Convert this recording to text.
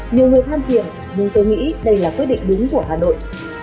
nhiều người than phiền nhưng tôi nghĩ đây là quyết định đúng của hà nội